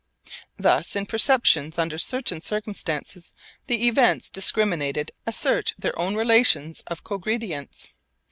Thus in perceptions under certain circumstances the events discriminated assert their own relations of cogredience.